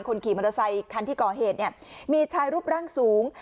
ขี่มอเตอร์ไซคันที่ก่อเหตุเนี่ยมีชายรูปร่างสูง